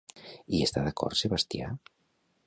Hi està d'acord Sebastià?